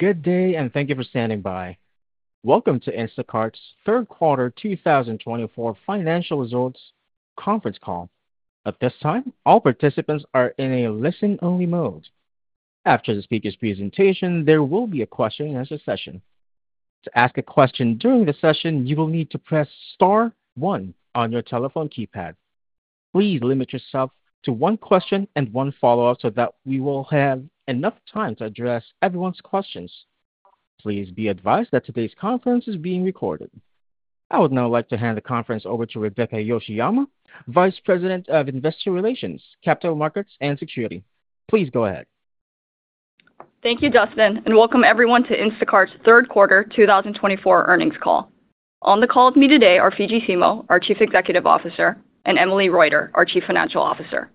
Good day, and thank you for standing by. Welcome to Instacart's Third Quarter 2024 Financial Results Conference Call. At this time, all participants are in a listen-only mode. After the speaker's presentation, there will be a question-and-answer session. To ask a question during the session, you will need to press Star 1 on your telephone keypad. Please limit yourself to one question and one follow-up so that we will have enough time to address everyone's questions. Please be advised that today's conference is being recorded. I would now like to hand the conference over to Rebecca Yoshiyama, Vice President of Investor Relations, Capital Markets, and Treasury. Please go ahead. Thank you, Justin, and welcome everyone to Instacart's Third Quarter 2024 Earnings Call. On the call with me today are Fidji Simo, our Chief Executive Officer, and Emily Reuter, our Chief Financial Officer.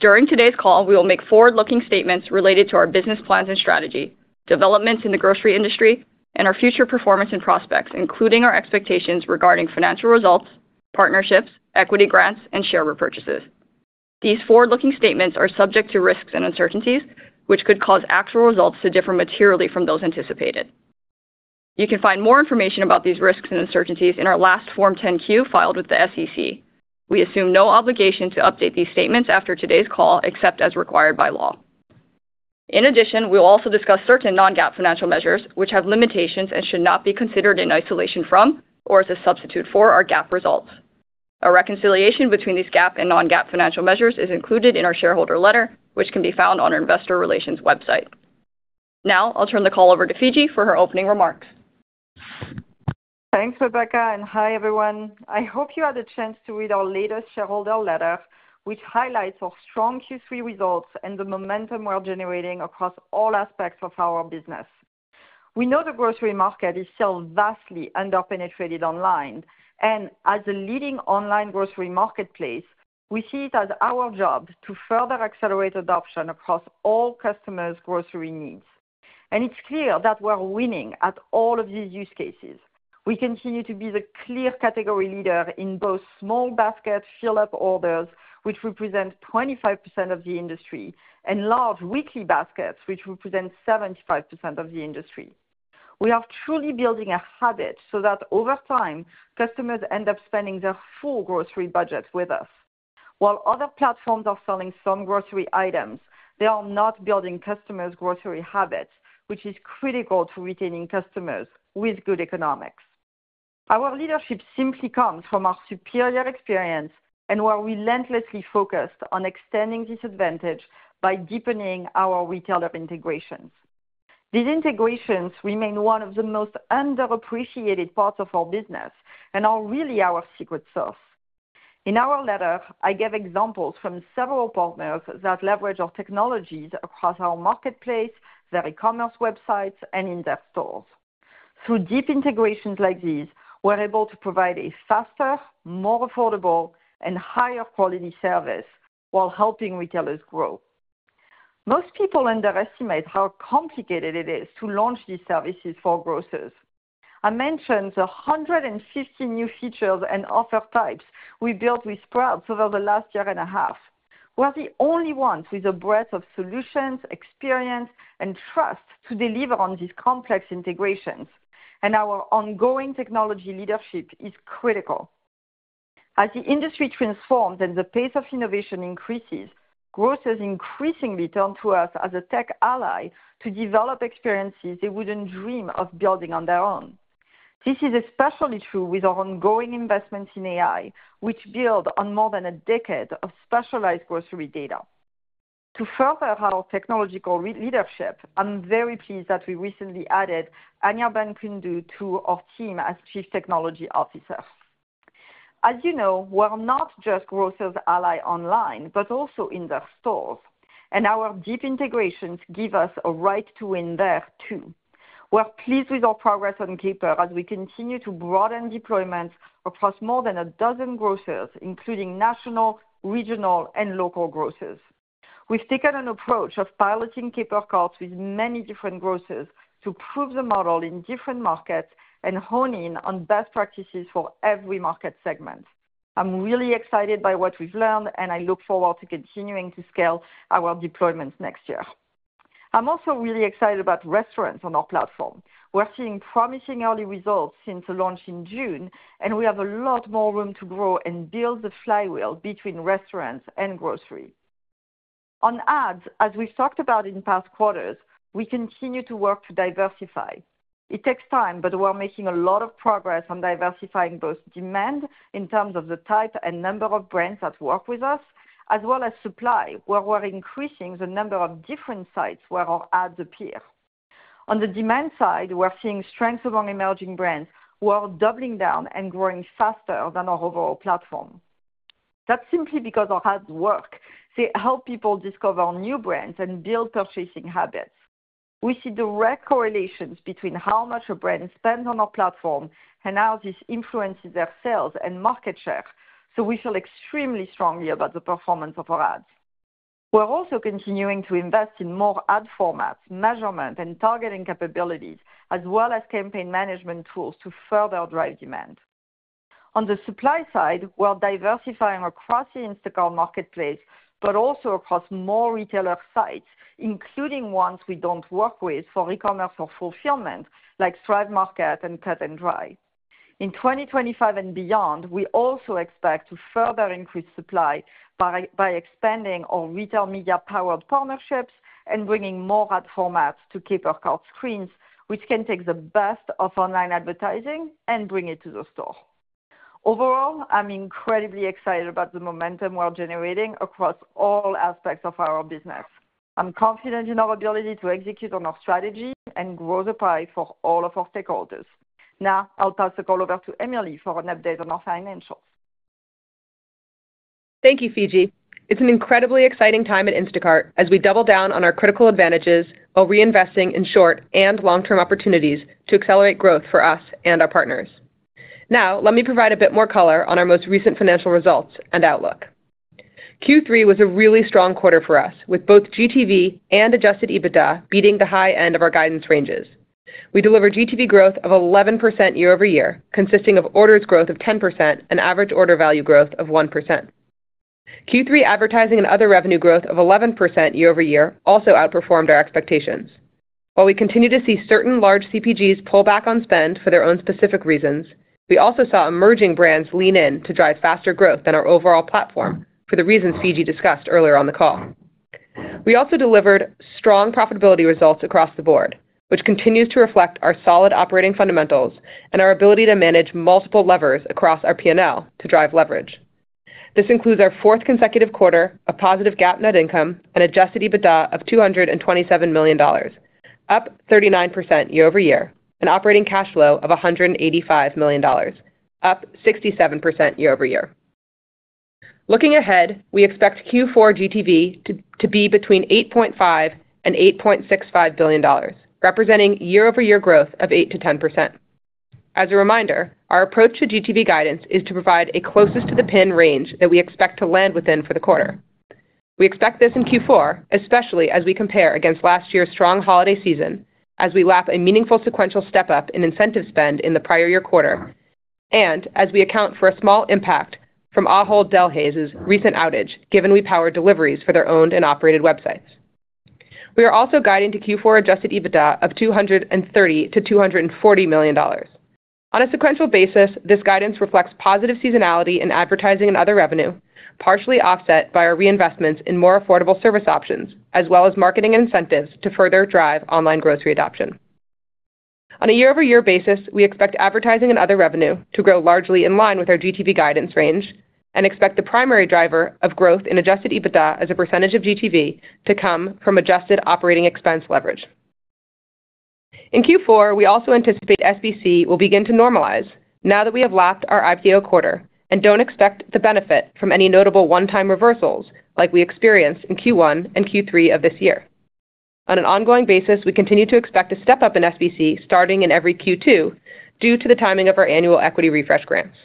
During today's call, we will make forward-looking statements related to our business plans and strategy, developments in the grocery industry, and our future performance and prospects, including our expectations regarding financial results, partnerships, equity grants, and share repurchases. These forward-looking statements are subject to risks and uncertainties, which could cause actual results to differ materially from those anticipated. You can find more information about these risks and uncertainties in our last Form 10-Q filed with the SEC. We assume no obligation to update these statements after today's call, except as required by law. In addition, we will also discuss certain non-GAAP financial measures, which have limitations and should not be considered in isolation from or as a substitute for our GAAP results. A reconciliation between these GAAP and non-GAAP financial measures is included in our shareholder letter, which can be found on our Investor Relations website. Now, I'll turn the call over to Fidji for her opening remarks. Thanks, Rebecca, and hi, everyone. I hope you had a chance to read our latest shareholder letter, which highlights our strong Q3 results and the momentum we're generating across all aspects of our business. We know the grocery market is still vastly underpenetrated online, and as the leading online grocery marketplace, we see it as our job to further accelerate adoption across all customers' grocery needs. It's clear that we're winning at all of these use cases. We continue to be the clear category leader in both small basket fill-up orders, which represent 25% of the industry, and large weekly baskets, which represent 75% of the industry. We are truly building a habit so that over time, customers end up spending their full grocery budgets with us. While other platforms are selling some grocery items, they are not building customers' grocery habits, which is critical to retaining customers with good economics. Our leadership simply comes from our superior experience and were relentlessly focused on extending this advantage by deepening our retailer integrations. These integrations remain one of the most underappreciated parts of our business and are really our secret sauce. In our letter, I gave examples from several partners that leverage our technologies across our marketplace, their e-commerce websites, and in their stores. Through deep integrations like these, we're able to provide a faster, more affordable, and higher-quality service while helping retailers grow. Most people underestimate how complicated it is to launch these services for grocers. I mentioned the 150 new features and offer types we built with Sprouts over the last year and a half. We're the only ones with a breadth of solutions, experience, and trust to deliver on these complex integrations, and our ongoing technology leadership is critical. As the industry transforms and the pace of innovation increases, grocers increasingly turn to us as a tech ally to develop experiences they wouldn't dream of building on their own. This is especially true with our ongoing investments in AI, which build on more than a decade of specialized grocery data. To further our technological leadership, I'm very pleased that we recently added Anirban Kundu to our team as Chief Technology Officer. As you know, we're not just grocers' ally online, but also in their stores, and our deep integrations give us a right to win there too. We're pleased with our progress on Caper as we continue to broaden deployments across more than a dozen grocers, including national, regional, and local grocers. We've taken an approach of piloting Caper Carts with many different grocers to prove the model in different markets and hone in on best practices for every market segment. I'm really excited by what we've learned, and I look forward to continuing to scale our deployments next year. I'm also really excited about restaurants on our platform. We're seeing promising early results since the launch in June, and we have a lot more room to grow and build the flywheel between restaurants and grocery. On ads, as we've talked about in past quarters, we continue to work to diversify. It takes time, but we're making a lot of progress on diversifying both demand in terms of the type and number of brands that work with us, as well as supply. We're increasing the number of different sites where our ads appear. On the demand side, we're seeing strengths among emerging brands who are doubling down and growing faster than our overall platform. That's simply because our ads work. They help people discover new brands and build purchasing habits. We see direct correlations between how much a brand spends on our platform and how this influences their sales and market share, so we feel extremely strongly about the performance of our ads. We're also continuing to invest in more ad formats, measurement, and targeting capabilities, as well as campaign management tools to further drive demand. On the supply side, we're diversifying across the Instacart marketplace, but also across more retailer sites, including ones we don't work with for e-commerce or fulfillment, like Thrive Market and Cut+Dry. In 2025 and beyond, we also expect to further increase supply by expanding our retail media-powered partnerships and bringing more ad formats to Caper Carts screens, which can take the best of online advertising and bring it to the store. Overall, I'm incredibly excited about the momentum we're generating across all aspects of our business. I'm confident in our ability to execute on our strategy and grow the pie for all of our stakeholders. Now, I'll pass the call over to Emily for an update on our financials. Thank you, Fidji. It's an incredibly exciting time at Instacart as we double down on our critical advantages while reinvesting in short and long-term opportunities to accelerate growth for us and our partners. Now, let me provide a bit more color on our most recent financial results and outlook. Q3 was a really strong quarter for us, with both GTV and Adjusted EBITDA beating the high end of our guidance ranges. We delivered GTV growth of 11% year over year, consisting of orders growth of 10% and average order value growth of 1%. Q3 advertising and other revenue growth of 11% year over year also outperformed our expectations. While we continue to see certain large CPGs pull back on spend for their own specific reasons, we also saw emerging brands lean in to drive faster growth than our overall platform for the reasons Fidji discussed earlier on the call. We also delivered strong profitability results across the board, which continues to reflect our solid operating fundamentals and our ability to manage multiple levers across our P&L to drive leverage. This includes our fourth consecutive quarter of positive GAAP net income and adjusted EBITDA of $227 million, up 39% year over year, and operating cash flow of $185 million, up 67% year over year. Looking ahead, we expect Q4 GTV to be between $8.5 and $8.65 billion, representing year-over-year growth of 8%-10%. As a reminder, our approach to GTV guidance is to provide a closest-to-the-pin range that we expect to land within for the quarter. We expect this in Q4, especially as we compare against last year's strong holiday season, as we lap a meaningful sequential step-up in incentive spend in the prior year quarter, and as we account for a small impact from Ahold Delhaize's recent outage, given we power deliveries for their owned and operated websites. We are also guiding to Q4 adjusted EBITDA of $230-$240 million. On a sequential basis, this guidance reflects positive seasonality in advertising and other revenue, partially offset by our reinvestments in more affordable service options, as well as marketing incentives to further drive online grocery adoption. On a year-over-year basis, we expect advertising and other revenue to grow largely in line with our GTV guidance range and expect the primary driver of growth in adjusted EBITDA as a percentage of GTV to come from adjusted operating expense leverage. In Q4, we also anticipate SBC will begin to normalize now that we have lapped our IPO quarter and don't expect to benefit from any notable one-time reversals like we experienced in Q1 and Q3 of this year. On an ongoing basis, we continue to expect a step-up in SBC starting in every Q2 due to the timing of our annual equity refresh grants.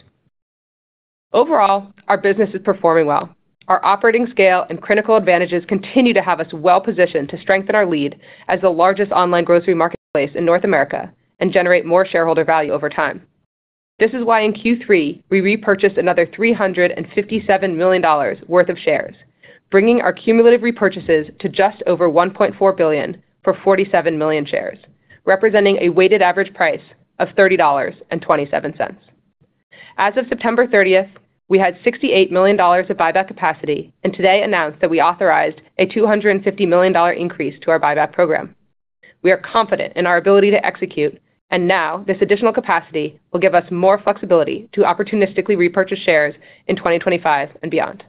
Overall, our business is performing well. Our operating scale and critical advantages continue to have us well-positioned to strengthen our lead as the largest online grocery marketplace in North America and generate more shareholder value over time. This is why in Q3, we repurchased another $357 million worth of shares, bringing our cumulative repurchases to just over $1.4 billion for 47 million shares, representing a weighted average price of $30.27. As of September 30th, we had $68 million of buyback capacity and today announced that we authorized a $250 million increase to our buyback program. We are confident in our ability to execute, and now this additional capacity will give us more flexibility to opportunistically repurchase shares in 2025 and beyond.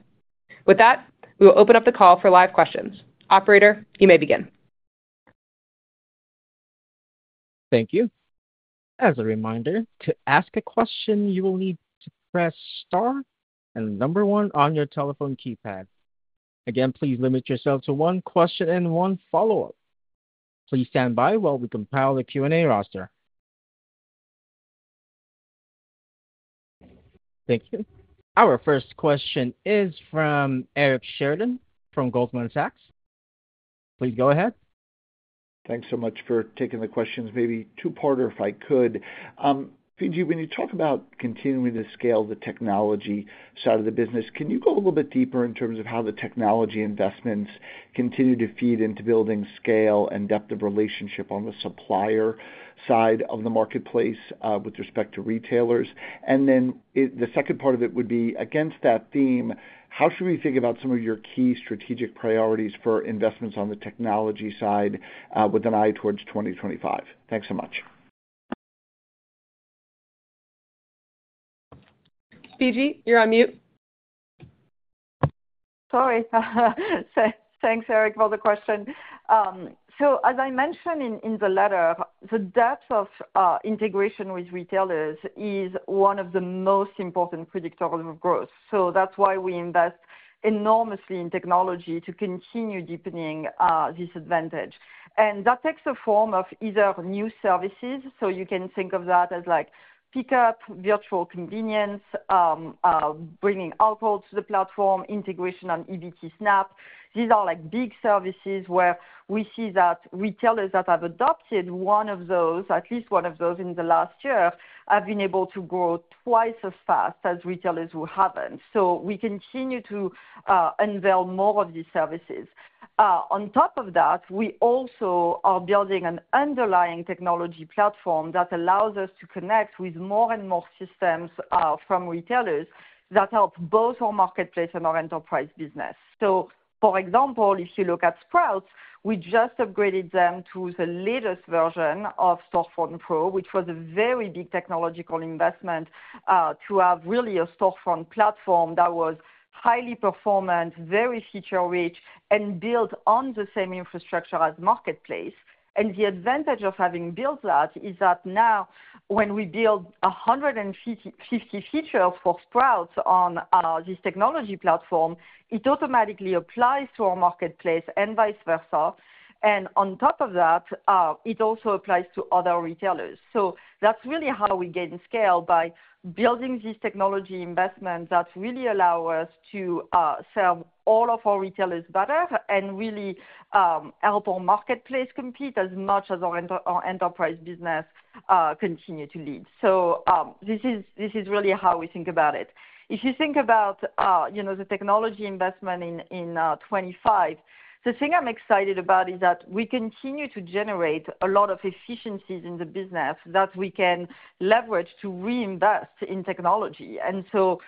With that, we will open up the call for live questions. Operator, you may begin. Thank you. As a reminder, to ask a question, you will need to press star and number one on your telephone keypad. Again, please limit yourself to one question and one follow-up. Please stand by while we compile the Q&A roster. Thank you. Our first question is from Eric Sheridan from Goldman Sachs. Please go ahead. Thanks so much for taking the questions. Maybe two-parter if I could. Fidji, when you talk about continuing to scale the technology side of the business, can you go a little bit deeper in terms of how the technology investments continue to feed into building scale and depth of relationship on the supplier side of the marketplace with respect to retailers? And then the second part of it would be against that theme, how should we think about some of your key strategic priorities for investments on the technology side with an eye towards 2025? Thanks so much. Fidji, you're on mute. Sorry. Thanks, Eric, for the question. So as I mentioned in the letter, the depth of integration with retailers is one of the most important predictors of growth. So that's why we invest enormously in technology to continue deepening this advantage. And that takes a form of either new services, so you can think of that as like pickup, Virtual Convenience, bringing Ahold to the platform, integration on EBT SNAP. These are like big services where we see that retailers that have adopted one of those, at least one of those in the last year, have been able to grow twice as fast as retailers who haven't. So we continue to unveil more of these services. On top of that, we also are building an underlying technology platform that allows us to connect with more and more systems from retailers that help both our marketplace and our enterprise business. So for example, if you look at Sprouts, we just upgraded them to the latest version of Storefront Pro, which was a very big technological investment to have really a Storefront platform that was highly performant, very feature-rich, and built on the same infrastructure as marketplace. And the advantage of having built that is that now when we build 150 features for Sprouts on this technology platform, it automatically applies to our marketplace and vice versa. And on top of that, it also applies to other retailers. So that's really how we gain scale by building these technology investments that really allow us to serve all of our retailers better and really help our marketplace compete as much as our enterprise business continues to lead. So this is really how we think about it. If you think about the technology investment in 2025, the thing I'm excited about is that we continue to generate a lot of efficiencies in the business that we can leverage to reinvest in technology. The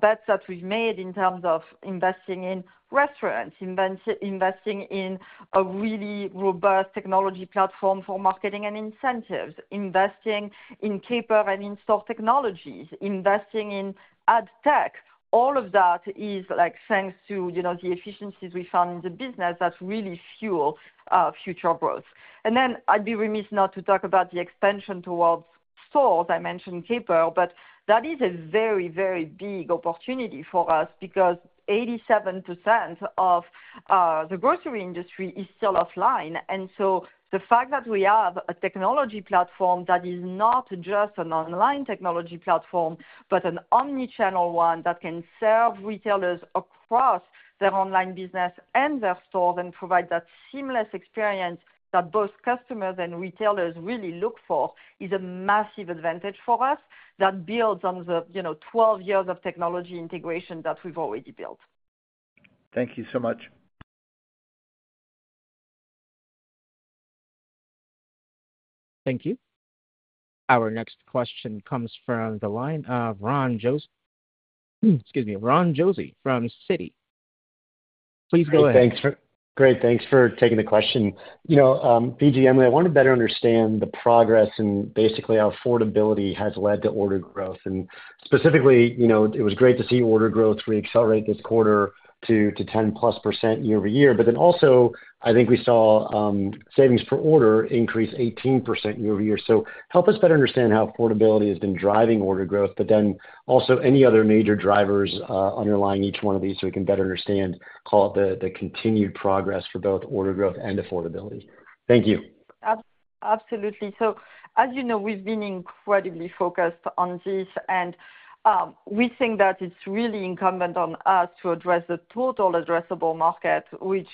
bets that we've made in terms of investing in restaurants, investing in a really robust technology platform for marketing and incentives, investing in Caper and in-store technologies, investing in ad tech, all of that is thanks to the efficiencies we found in the business that really fuel future growth. I'd be remiss not to talk about the expansion towards stores. I mentioned Caper, but that is a very, very big opportunity for us because 87% of the grocery industry is still offline. The fact that we have a technology platform that is not just an online technology platform, but an omnichannel one that can serve retailers across their online business and their stores and provide that seamless experience that both customers and retailers really look for is a massive advantage for us that builds on the 12 years of technology integration that we've already built. Thank you so much. Thank you. Our next question comes from the line of Ron Josey. Excuse me, Ron Josey from Citi. Please go ahead. Thanks. Great. Thanks for taking the question. Fidji, Emily, I want to better understand the progress and basically how affordability has led to order growth. And specifically, it was great to see order growth reaccelerate this quarter to 10-plus% year over year. But then also, I think we saw savings per order increase 18% year over year. So help us better understand how affordability has been driving order growth, but then also any other major drivers underlying each one of these so we can better understand, call it the continued progress for both order growth and affordability. Thank you. Absolutely, so as you know, we've been incredibly focused on this, and we think that it's really incumbent on us to address the total addressable market, which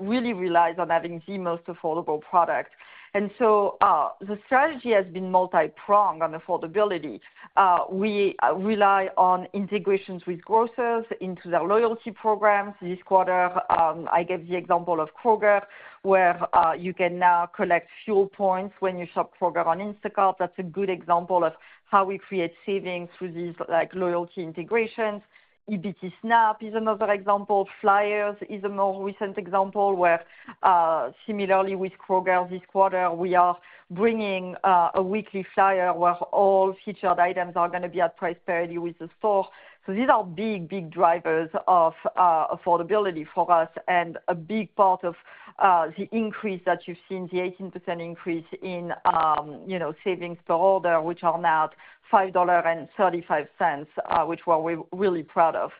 really relies on having the most affordable product, and so the strategy has been multi-pronged on affordability. We rely on integrations with grocers into their loyalty programs. This quarter, I gave the example of Kroger, where you can now collect fuel points when you shop Kroger on Instacart. That's a good example of how we create savings through these loyalty integrations. EBT SNAP is another example. Flyers is a more recent example where, similarly with Kroger this quarter, we are bringing a weekly flyer where all featured items are going to be at price parity with the store. These are big, big drivers of affordability for us and a big part of the increase that you've seen, the 18% increase in savings per order, which are now $5.35, which we're really proud of.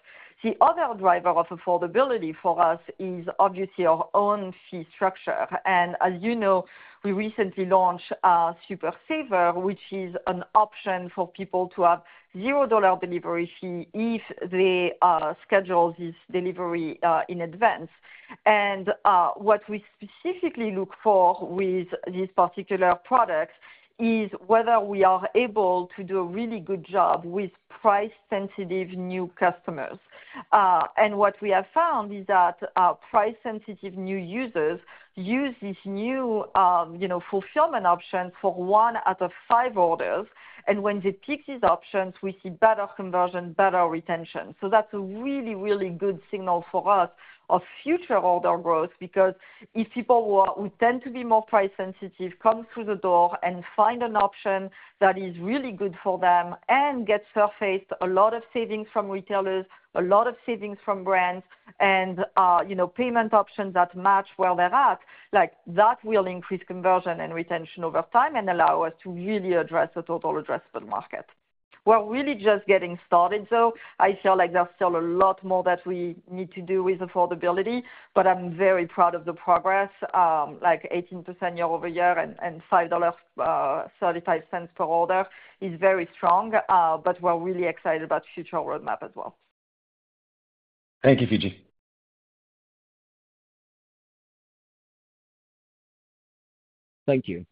The other driver of affordability for us is obviously our own fee structure. And as you know, we recently launched Super Saver, which is an option for people to have a $0 delivery fee if they schedule this delivery in advance. And what we specifically look for with these particular products is whether we are able to do a really good job with price-sensitive new customers. And what we have found is that price-sensitive new users use these new fulfillment options for one out of five orders. And when they pick these options, we see better conversion, better retention. So that's a really, really good signal for us of future order growth because if people who tend to be more price-sensitive come through the door and find an option that is really good for them and get surfaced a lot of savings from retailers, a lot of savings from brands, and payment options that match where they're at, that will increase conversion and retention over time and allow us to really address a total addressable market. We're really just getting started, though. I feel like there's still a lot more that we need to do with affordability, but I'm very proud of the progress. Like 18% year over year and $5.35 per order is very strong, but we're really excited about the future roadmap as well. Thank you, Fidji. Thank you.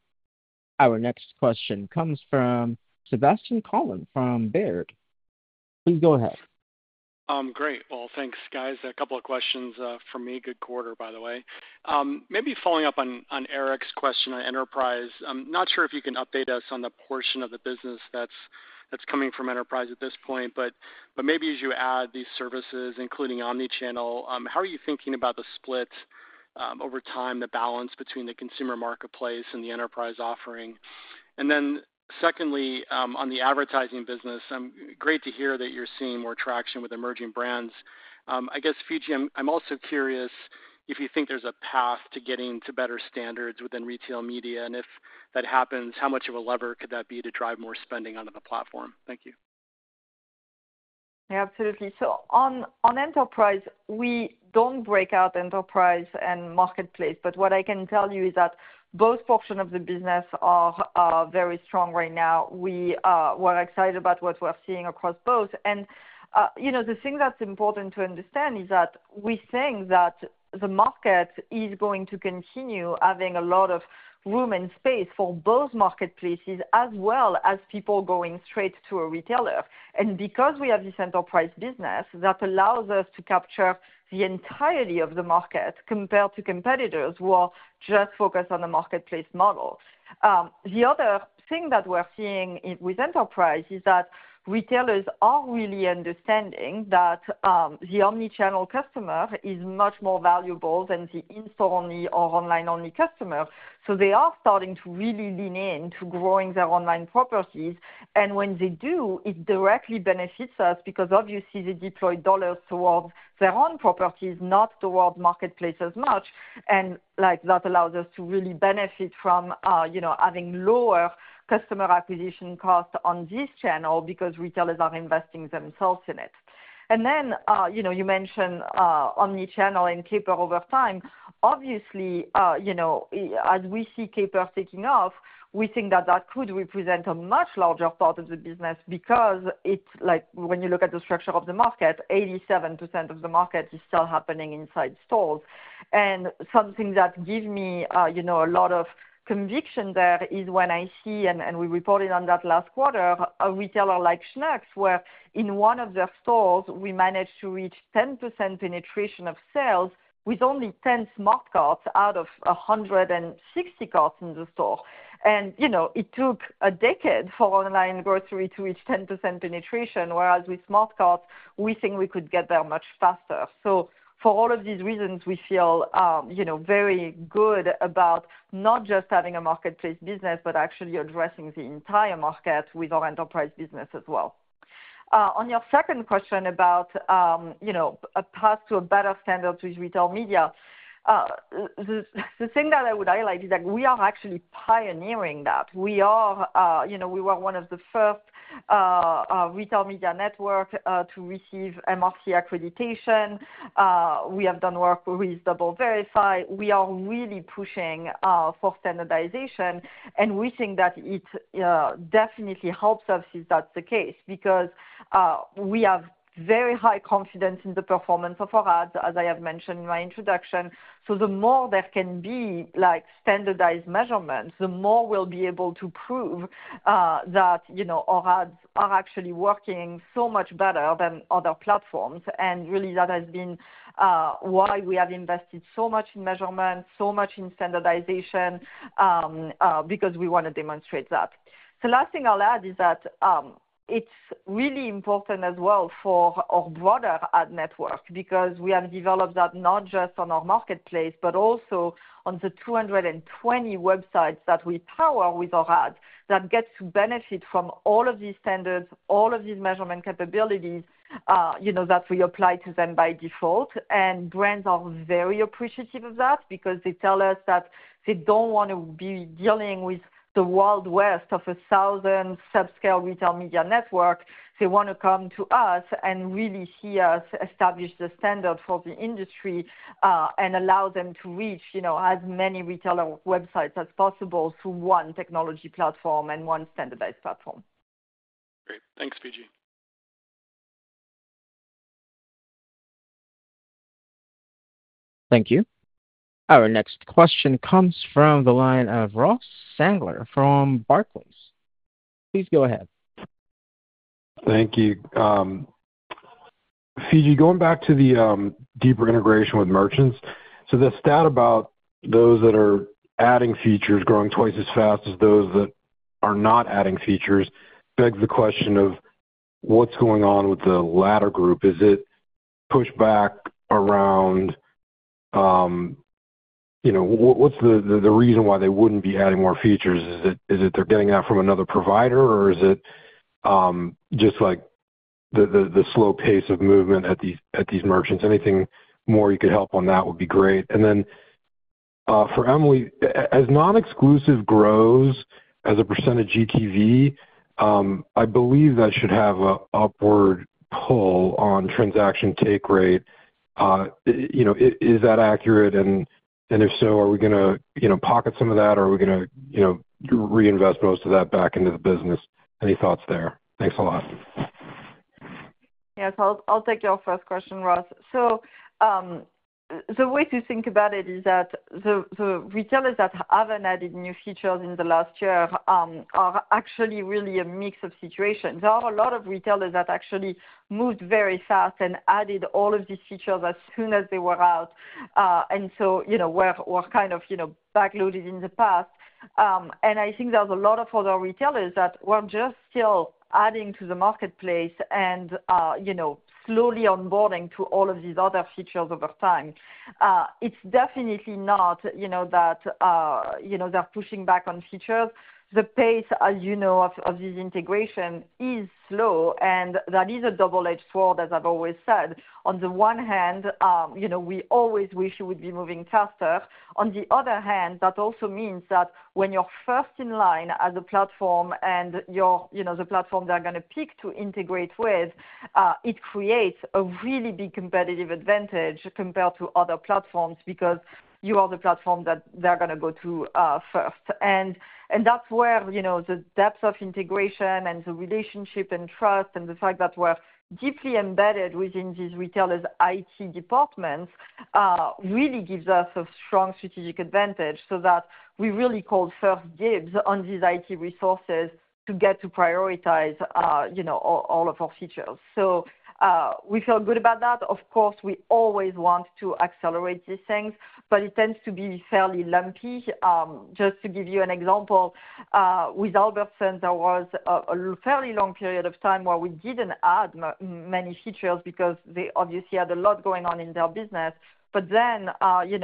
Our next question comes from Colin Sebastian from Baird. Please go ahead. Great. Well, thanks, guys. A couple of questions for me. Good quarter, by the way. Maybe following up on Eric's question on enterprise, I'm not sure if you can update us on the portion of the business that's coming from enterprise at this point, but maybe as you add these services, including omnichannel, how are you thinking about the split over time, the balance between the consumer marketplace and the enterprise offering? And then secondly, on the advertising business, great to hear that you're seeing more traction with emerging brands. I guess, Fidji, I'm also curious if you think there's a path to getting to better standards within retail media, and if that happens, how much of a lever could that be to drive more spending onto the platform? Thank you. Absolutely, so on enterprise, we don't break out enterprise and marketplace, but what I can tell you is that both portions of the business are very strong right now. We're excited about what we're seeing across both, and the thing that's important to understand is that we think that the market is going to continue having a lot of room and space for both marketplaces as well as people going straight to a retailer, and because we have this enterprise business that allows us to capture the entirety of the market compared to competitors who are just focused on the marketplace model. The other thing that we're seeing with enterprise is that retailers are really understanding that the omnichannel customer is much more valuable than the in-store-only or online-only customer, so they are starting to really lean into growing their online properties. And when they do, it directly benefits us because obviously they deploy dollars towards their own properties, not towards marketplaces much. And that allows us to really benefit from having lower customer acquisition costs on this channel because retailers are investing themselves in it. And then you mentioned omnichannel and Caper over time. Obviously, as we see Caper taking off, we think that that could represent a much larger part of the business because when you look at the structure of the market, 87% of the market is still happening inside stores. And something that gives me a lot of conviction there is when I see, and we reported on that last quarter, a retailer like Schnucks, where in one of their stores, we managed to reach 10% penetration of sales with only 10 smart carts out of 160 carts in the store. It took a decade for online grocery to reach 10% penetration, whereas with smart carts, we think we could get there much faster. For all of these reasons, we feel very good about not just having a marketplace business, but actually addressing the entire market with our enterprise business as well. On your second question about a path to a better standard with retail media, the thing that I would highlight is that we are actually pioneering that. We were one of the first retail media networks to receive MRC accreditation. We have done work with DoubleVerify. We are really pushing for standardization, and we think that it definitely helps us if that's the case because we have very high confidence in the performance of our ads, as I have mentioned in my introduction. So the more there can be standardized measurements, the more we'll be able to prove that our ads are actually working so much better than other platforms. And really, that has been why we have invested so much in measurement, so much in standardization, because we want to demonstrate that. The last thing I'll add is that it's really important as well for our broader ad network because we have developed that not just on our marketplace, but also on the 220 websites that we power with our ads that get to benefit from all of these standards, all of these measurement capabilities that we apply to them by default. And brands are very appreciative of that because they tell us that they don't want to be dealing with the Wild West of a thousand subscale retail media networks. They want to come to us and really see us establish the standard for the industry and allow them to reach as many retailer websites as possible through one technology platform and one standardized platform. Great. Thanks, Fidji. Thank you. Our next question comes from the line of Ross Sandler from Barclays. Please go ahead. Thank you. Fidji, going back to the deeper integration with merchants, so the stat about those that are adding features growing twice as fast as those that are not adding features begs the question of what's going on with the latter group. Is it pushback around what's the reason why they wouldn't be adding more features? Is it they're getting that from another provider, or is it just like the slow pace of movement at these merchants? Anything more you could help on that would be great. And then for Emily, as non-exclusive grows as a percent of GTV, I believe that should have an upward pull on transaction take rate. Is that accurate? And if so, are we going to pocket some of that, or are we going to reinvest most of that back into the business? Any thoughts there? Thanks a lot. Yes. I'll take your first question, Ross, so the way to think about it is that the retailers that haven't added new features in the last year are actually really a mix of situations. There are a lot of retailers that actually moved very fast and added all of these features as soon as they were out, and so were kind of backloaded in the past, and I think there's a lot of other retailers that were just still adding to the marketplace and slowly onboarding to all of these other features over time. It's definitely not that they're pushing back on features. The pace, as you know, of these integrations is slow, and that is a double-edged sword, as I've always said. On the one hand, we always wish you would be moving faster. On the other hand, that also means that when you're first in line as a platform and you're the platform they're going to pick to integrate with, it creates a really big competitive advantage compared to other platforms because you are the platform that they're going to go to first, and that's where the depth of integration and the relationship and trust and the fact that we're deeply embedded within these retailers' IT departments really gives us a strong strategic advantage so that we really called first dibs on these IT resources to get to prioritize all of our features, so we feel good about that. Of course, we always want to accelerate these things, but it tends to be fairly lumpy. Just to give you an example, with Albertsons, there was a fairly long period of time where we didn't add many features because they obviously had a lot going on in their business, but then in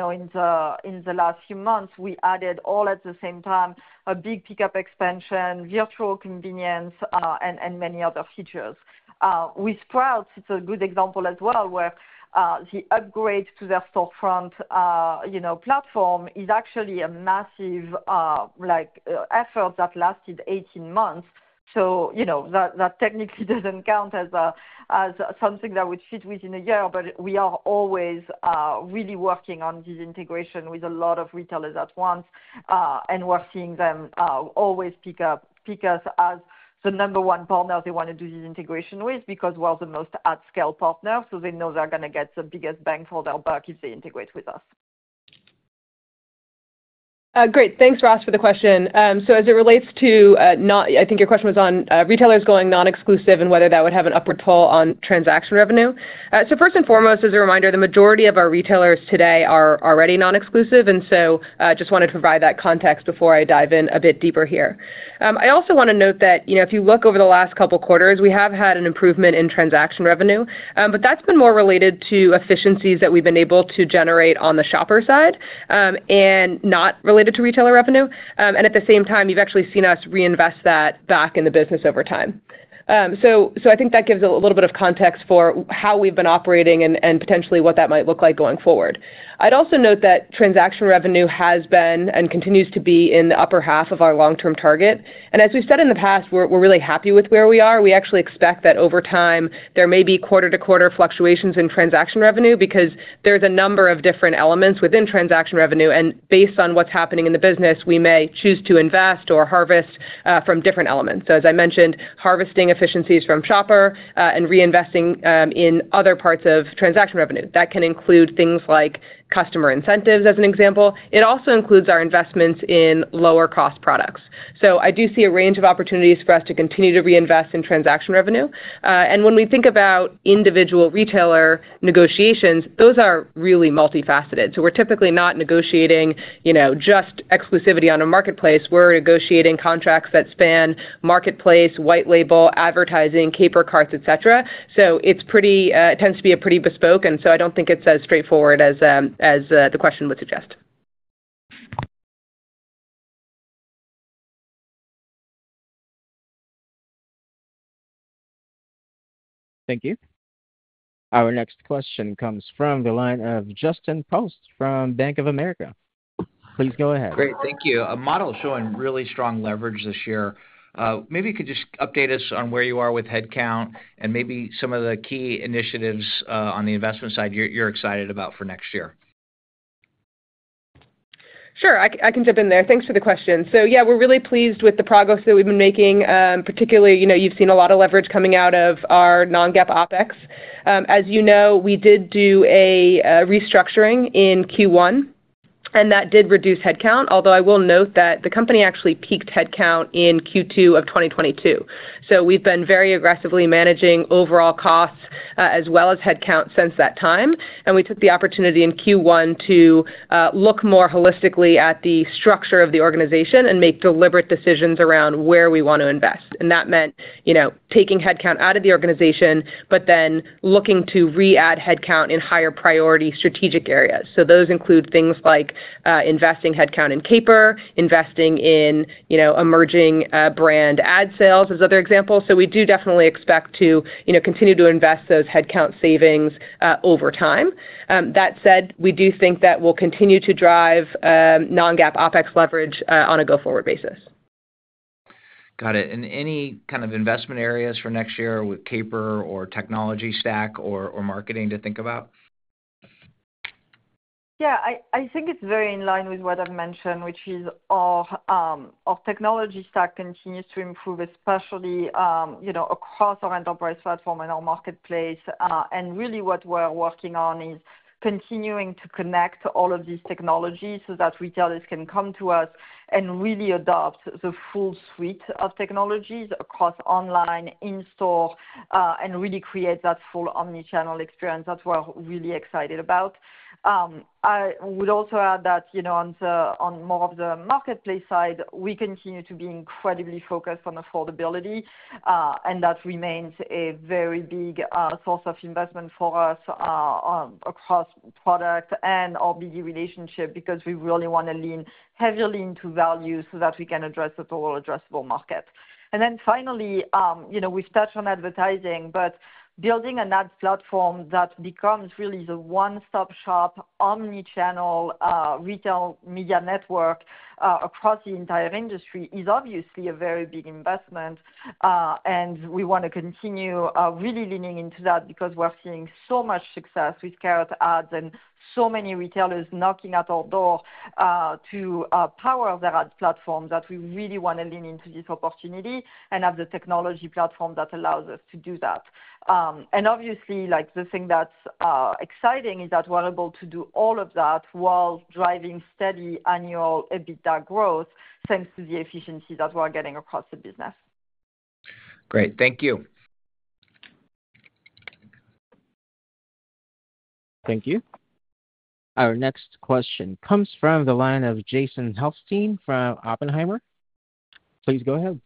the last few months, we added all at the same time a big pickup expansion, Virtual Convenience, and many other features. With Sprouts, it's a good example as well where the upgrade to their storefront platform is actually a massive effort that lasted 18 months, so that technically doesn't count as something that would fit within a year, but we are always really working on this integration with a lot of retailers at once, and we're seeing them always pick us as the number one partner they want to do this integration with because we're the most at-scale partner. So they know they're going to get the biggest bang for their buck if they integrate with us. Great. Thanks, Ross, for the question. So as it relates to, I think your question was on retailers going non-exclusive and whether that would have an upward pull on transaction revenue. So first and foremost, as a reminder, the majority of our retailers today are already non-exclusive, and so I just wanted to provide that context before I dive in a bit deeper here. I also want to note that if you look over the last couple of quarters, we have had an improvement in transaction revenue, but that's been more related to efficiencies that we've been able to generate on the shopper side and not related to retailer revenue. And at the same time, you've actually seen us reinvest that back in the business over time. So I think that gives a little bit of context for how we've been operating and potentially what that might look like going forward. I'd also note that transaction revenue has been and continues to be in the upper half of our long-term target. And as we've said in the past, we're really happy with where we are. We actually expect that over time, there may be quarter-to-quarter fluctuations in transaction revenue because there's a number of different elements within transaction revenue, and based on what's happening in the business, we may choose to invest or harvest from different elements. So as I mentioned, harvesting efficiencies from shopper and reinvesting in other parts of transaction revenue. That can include things like customer incentives, as an example. It also includes our investments in lower-cost products. So I do see a range of opportunities for us to continue to reinvest in transaction revenue. And when we think about individual retailer negotiations, those are really multifaceted. So we're typically not negotiating just exclusivity on a marketplace. We're negotiating contracts that span marketplace, white label, advertising, Caper carts, etc. So it tends to be pretty bespoke, and so I don't think it's as straightforward as the question would suggest. Thank you. Our next question comes from the line of Justin Post from Bank of America. Please go ahead. Great. Thank you. A model showing really strong leverage this year. Maybe you could just update us on where you are with headcount and maybe some of the key initiatives on the investment side you're excited about for next year? Sure. I can jump in there. Thanks for the question. So yeah, we're really pleased with the progress that we've been making. Particularly, you've seen a lot of leverage coming out of our non-GAAP OpEx. As you know, we did do a restructuring in Q1, and that did reduce headcount, although I will note that the company actually peaked headcount in Q2 of 2022. So we've been very aggressively managing overall costs as well as headcount since that time. And we took the opportunity in Q1 to look more holistically at the structure of the organization and make deliberate decisions around where we want to invest. And that meant taking headcount out of the organization, but then looking to re-add headcount in higher-priority strategic areas. So those include things like investing headcount in Caper, investing in emerging brand ad sales as other examples. So we do definitely expect to continue to invest those headcount savings over time. That said, we do think that we'll continue to drive non-GAAP OpEx leverage on a go-forward basis. Got it. And any kind of investment areas for next year with Caper or technology stack or marketing to think about? Yeah. I think it's very in line with what I've mentioned, which is our technology stack continues to improve, especially across our enterprise platform and our marketplace. And really, what we're working on is continuing to connect all of these technologies so that retailers can come to us and really adopt the full suite of technologies across online, in-store, and really create that full omnichannel experience that we're really excited about. I would also add that on more of the marketplace side, we continue to be incredibly focused on affordability, and that remains a very big source of investment for us across product and our BD relationship because we really want to lean heavily into value so that we can address a total addressable market. And then finally, we've touched on advertising, but building an ad platform that becomes really the one-stop-shop omnichannel Retail Media Network across the entire industry is obviously a very big investment. We want to continue really leaning into that because we're seeing so much success with Carrot Ads and so many retailers knocking at our door to power their ad platforms that we really want to lean into this opportunity and have the technology platform that allows us to do that. Obviously, the thing that's exciting is that we're able to do all of that while driving steady annual EBITDA growth thanks to the efficiencies that we're getting across the business. Great. Thank you. Thank you. Our next question comes from the line of Jason Helfstein from Oppenheimer. Please go ahead.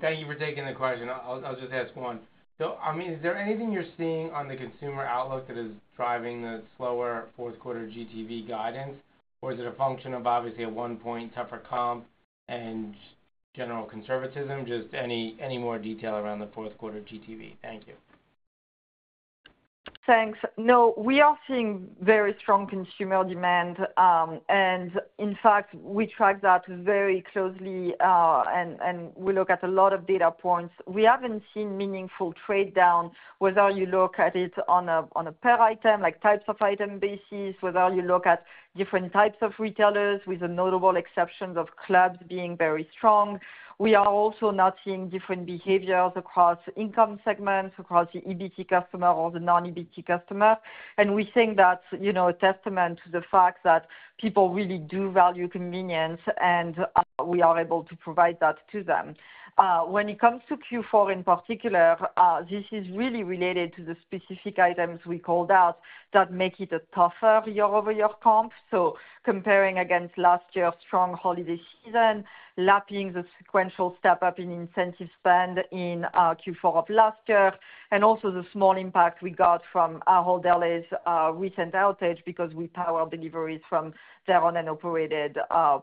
Thank you for taking the question. I'll just ask one. So I mean, is there anything you're seeing on the consumer outlook that is driving the slower fourth-quarter GTV guidance, or is it a function of obviously a one-point tougher comp and general conservatism? Just any more detail around the fourth-quarter GTV? Thank you. Thanks. No, we are seeing very strong consumer demand, and in fact, we track that very closely, and we look at a lot of data points. We haven't seen meaningful trade-down, whether you look at it on a per-item, like types of item basis, whether you look at different types of retailers with the notable exceptions of clubs being very strong. We are also not seeing different behaviors across income segments, across the EBT customer or the non-EBT customer, and we think that's a testament to the fact that people really do value convenience, and we are able to provide that to them. When it comes to Q4 in particular, this is really related to the specific items we called out that make it a tougher year-over-year comp. So comparing against last year's strong holiday season, lapping the sequential step-up in incentive spend in Q4 of last year, and also the small impact we got from Ahold Delhaize's recent outage because we power deliveries from their owned and operated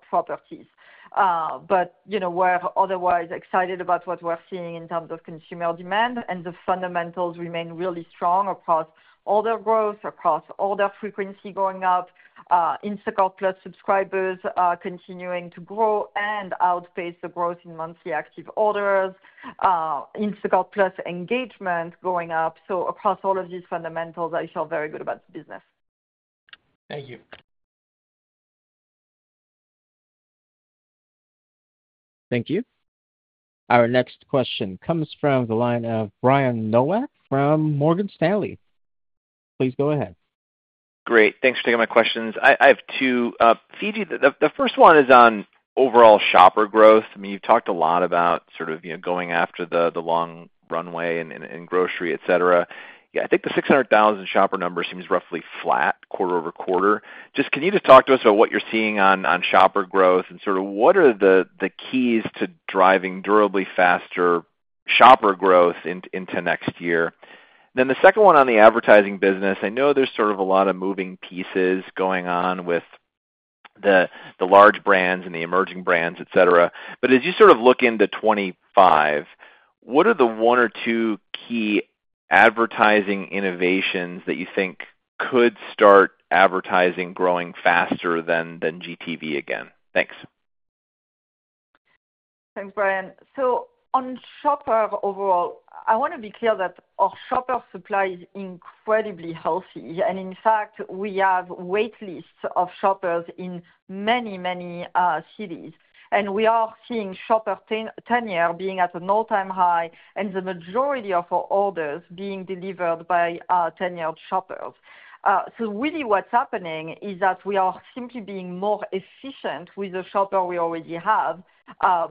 properties. But we're otherwise excited about what we're seeing in terms of consumer demand, and the fundamentals remain really strong across order growth, across order frequency going up, Instacart Plus subscribers continuing to grow and outpace the growth in monthly active orders, Instacart Plus engagement going up. So across all of these fundamentals, I feel very good about the business. Thank you. Thank you. Our next question comes from the line of Brian Nowak from Morgan Stanley. Please go ahead. Great. Thanks for taking my questions. I have two. Fidji, the first one is on overall shopper growth. I mean, you've talked a lot about sort of going after the long runway in grocery, etc. Yeah, I think the 600,000 shopper number seems roughly flat quarter over quarter. Just can you just talk to us about what you're seeing on shopper growth and sort of what are the keys to driving durably faster shopper growth into next year? Then the second one on the advertising business, I know there's sort of a lot of moving pieces going on with the large brands and the emerging brands, etc. But as you sort of look into 2025, what are the one or two key advertising innovations that you think could start advertising growing faster than GTV again? Thanks. Thanks, Brian. So, on shoppers overall, I want to be clear that our shopper supply is incredibly healthy. In fact, we have waitlists of shoppers in many, many cities. We are seeing shopper tenure being at an all-time high and the majority of our orders being delivered by tenured shoppers. Really, what's happening is that we are simply being more efficient with the shoppers we already have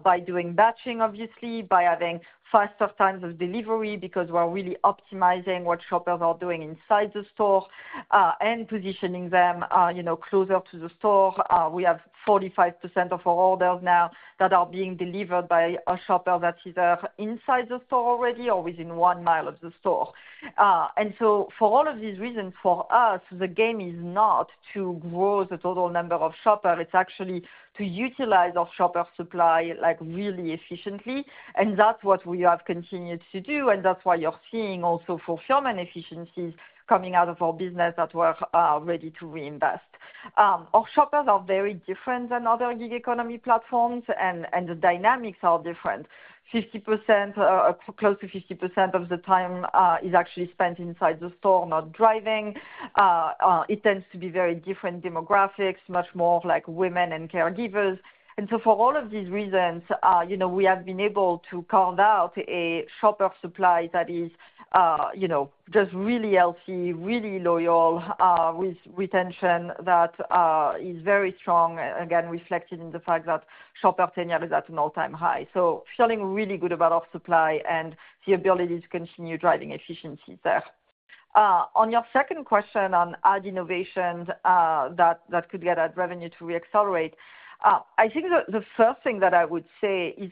by doing batching, obviously, by having faster times of delivery because we're really optimizing what shoppers are doing inside the store and positioning them closer to the store. We have 45% of our orders now that are being delivered by a shopper that is either inside the store already or within one mile of the store. For all of these reasons, for us, the game is not to grow the total number of shoppers. It's actually to utilize our shopper supply really efficiently. And that's what we have continued to do. And that's why you're seeing also fulfillment efficiencies coming out of our business that we're ready to reinvest. Our shoppers are very different than other gig economy platforms, and the dynamics are different. Close to 50% of the time is actually spent inside the store, not driving. It tends to be very different demographics, much more like women and caregivers. And so for all of these reasons, we have been able to carve out a shopper supply that is just really healthy, really loyal, with retention that is very strong, again, reflected in the fact that shopper tenure is at an all-time high. So feeling really good about our supply and the ability to continue driving efficiencies there. On your second question on ad innovations that could get ad revenue to reaccelerate, I think the first thing that I would say is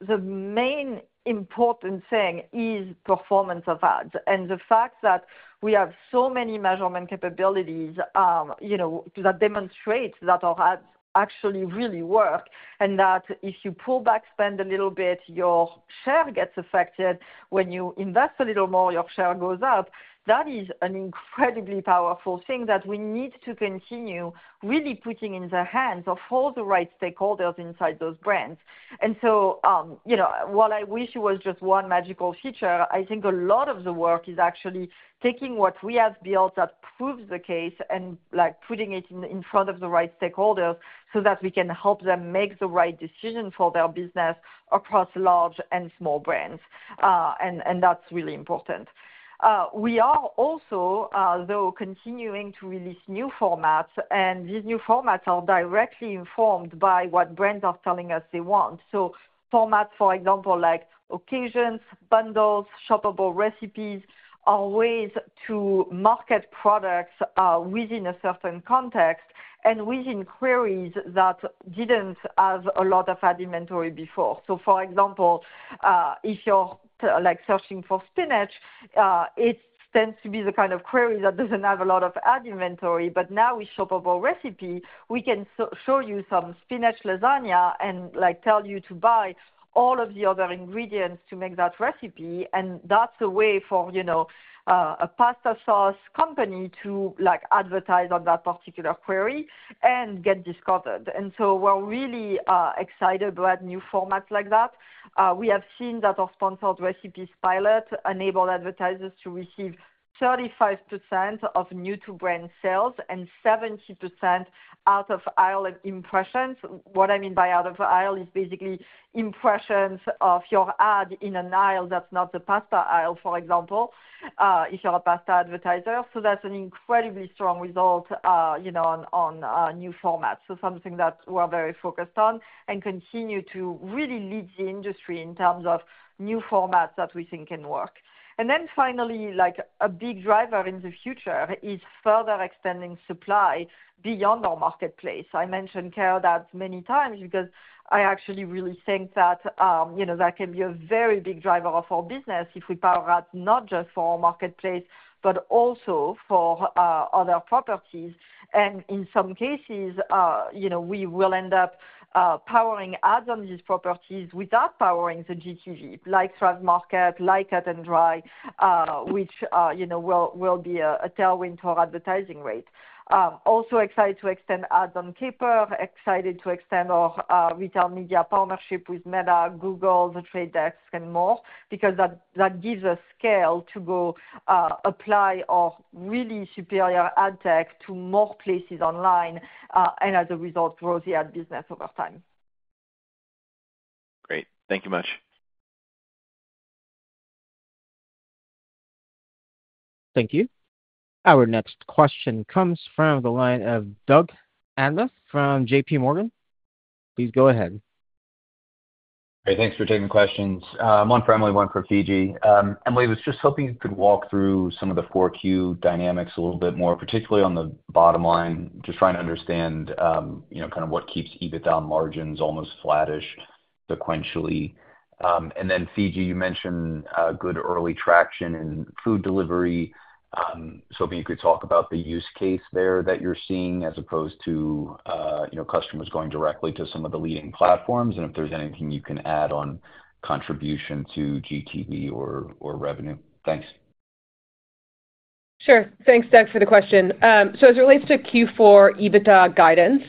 the main important thing is performance of ads, and the fact that we have so many measurement capabilities that demonstrate that our ads actually really work and that if you pull back spend a little bit, your share gets affected. When you invest a little more, your share goes up. That is an incredibly powerful thing that we need to continue really putting in the hands of all the right stakeholders inside those brands. And so while I wish it was just one magical feature, I think a lot of the work is actually taking what we have built that proves the case and putting it in front of the right stakeholders so that we can help them make the right decision for their business across large and small brands. And that's really important. We are also, though, continuing to release new formats, and these new formats are directly informed by what brands are telling us they want. So formats, for example, like Occasions, Bundles, Shoppable Recipes are ways to market products within a certain context and within queries that didn't have a lot of ad inventory before. So for example, if you're searching for spinach, it tends to be the kind of query that doesn't have a lot of ad inventory. But now with Shoppable Recipe, we can show you some spinach lasagna and tell you to buy all of the other ingredients to make that recipe. And that's a way for a pasta sauce company to advertise on that particular query and get discovered. And so we're really excited about new formats like that. We have seen that our Sponsored Recipes pilot enabled advertisers to receive 35% of new-to-brand sales and 70% out-of-aisle impressions. What I mean by out-of-aisle is basically impressions of your ad in an aisle that's not the pasta aisle, for example, if you're a pasta advertiser. So that's an incredibly strong result on new formats. So something that we're very focused on and continue to really lead the industry in terms of new formats that we think can work. And then finally, a big driver in the future is further extending supply beyond our marketplace. I mentioned Carrot Ads many times because I actually really think that that can be a very big driver of our business if we power ads not just for our marketplace, but also for other properties. And in some cases, we will end up powering ads on these properties without powering the GTV, like Thrive Market, like Cut+Dry, which will be a tailwind to our advertising rate. Also excited to extend ads on Caper, excited to extend our retail media partnership with Meta, Google, The Trade Desk, and more because that gives us scale to go apply our really superior ad tech to more places online and, as a result, grow the ad business over time. Great. Thank you much. Thank you. Our next question comes from the line of Doug Anmuth from JPMorgan. Please go ahead. Hey, thanks for taking the questions. One for Emily, one for Fidji. Emily, I was just hoping you could walk through some of the Q4 dynamics a little bit more, particularly on the bottom line, just trying to understand kind of what keeps EBITDA margins almost flattish sequentially, and then Fidji, you mentioned good early traction in food delivery. So if you could talk about the use case there that you're seeing as opposed to customers going directly to some of the leading platforms and if there's anything you can add on contribution to GTV or revenue. Thanks. Sure. Thanks, Doug, for the question. So as it relates to Q4 EBITDA guidance,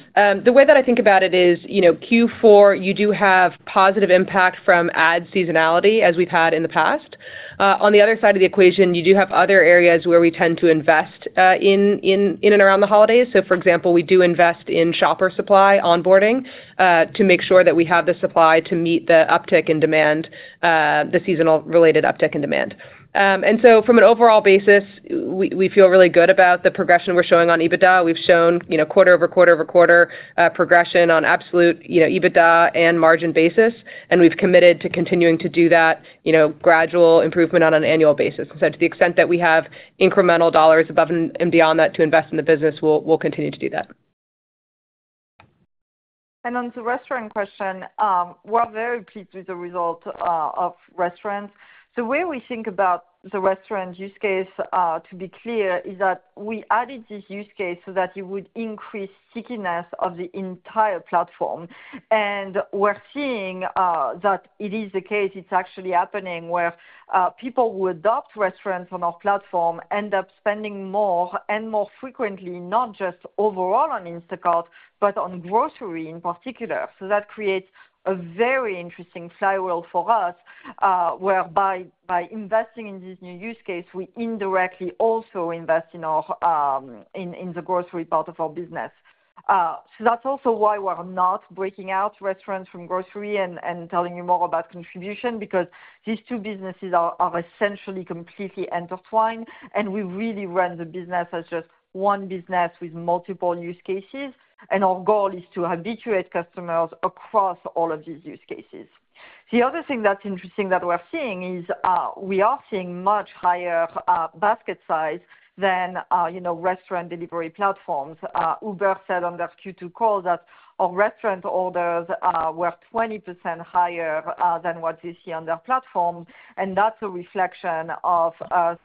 the way that I think about it is Q4, you do have positive impact from ad seasonality as we've had in the past. On the other side of the equation, you do have other areas where we tend to invest in and around the holidays. So for example, we do invest in shopper supply onboarding to make sure that we have the supply to meet the uptick in demand, the seasonal-related uptick in demand. And so from an overall basis, we feel really good about the progression we're showing on EBITDA. We've shown quarter over quarter over quarter progression on absolute EBITDA and margin basis. And we've committed to continuing to do that gradual improvement on an annual basis. And so to the extent that we have incremental dollars above and beyond that to invest in the business, we'll continue to do that. And on the restaurant question, we're very pleased with the result of restaurants. The way we think about the restaurant use case, to be clear, is that we added this use case so that it would increase stickiness of the entire platform. And we're seeing that it is the case. It's actually happening where people who adopt restaurants on our platform end up spending more and more frequently, not just overall on Instacart, but on grocery in particular. So that creates a very interesting flywheel for us whereby by investing in this new use case, we indirectly also invest in the grocery part of our business. So that's also why we're not breaking out restaurants from grocery and telling you more about contribution because these two businesses are essentially completely intertwined. And we really run the business as just one business with multiple use cases. Our goal is to habituate customers across all of these use cases. The other thing that's interesting that we're seeing is we are seeing much higher basket size than restaurant delivery platforms. Uber said on their Q2 call that our restaurant orders were 20% higher than what they see on their platform. That's a reflection of us